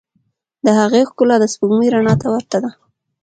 د هغې ښکلا د سپوږمۍ رڼا ته ورته ده.